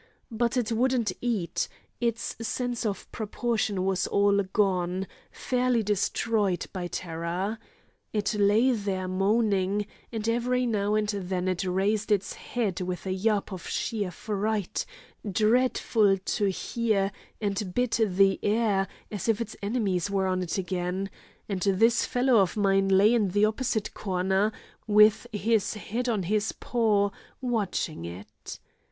But it wouldn't eat—its sense of proportion was all gone, fairly destroyed by terror. It lay there moaning, and every now and then it raised its head with a 'yap' of sheer fright, dreadful to hear, and bit the air, as if its enemies were on it again; and this fellow of mine lay in the opposite corner, with his head on his paw, watching it.